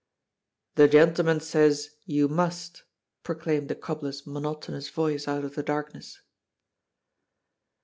"The gentleman says *you must,'" proclaimed the cobbler's monotonous voice out of the darkness.